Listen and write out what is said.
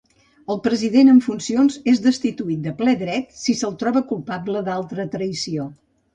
El president en funcions és destituït de ple dret si se'l troba culpable d'alta traïció.